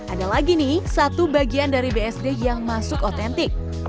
ada lagi nih satu bagian dari bsd yang masuk otentik